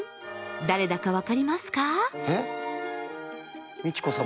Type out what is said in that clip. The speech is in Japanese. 誰だか分かりますか？